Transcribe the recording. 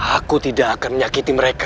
aku tidak akan menyakiti mereka